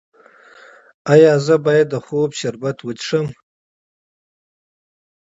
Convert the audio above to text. ایا زه باید د خوب شربت وڅښم؟